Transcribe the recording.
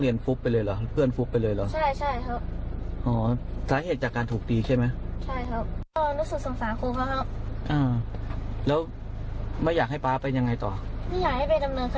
ไม่อยากให้ไปดำเนินคดีอยากให้ครูเขาอยู่โดยเกษียณนะครับ